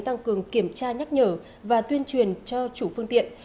tăng cường kiểm tra nhắc nhở và tuyên truyền cho chủ phương tiện